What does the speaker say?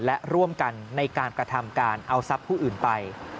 และร่วมกันในการกระทำการเอาทรัพย์ผู้อื่นไป